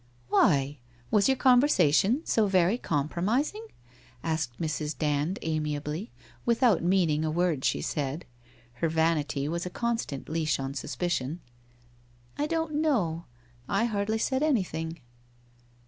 1 Why? Was your conversation so very compromising? ' asked Mrs. Dand amiably, without meaning a word she said. Her vanity was a constant leash on suspicion. * T don't know. I hardly said anything.'